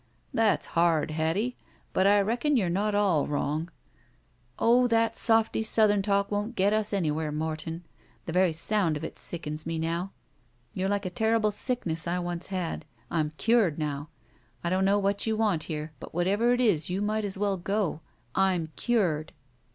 "That's hard, Hattie, but I reckon you're not all wrong." "Oh, that softy Southern talk won't get us any where, Morton. The very sotind of it sickens me now. You're like a terrible sickness I once had. I'm cured now. I don't know what you want here, but whatever it is you might as well go. I'm cured!"